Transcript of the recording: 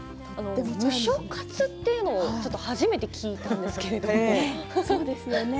でもムショ活というのは初めて聞いたんですけれどね。